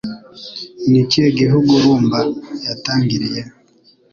Ni ikihe gihugu Rumba yatangiriye